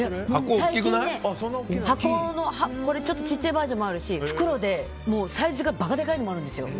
最近ね、これちょっと小さいバージョンもあるし袋でサイズがばかでかいのもあるんですよ。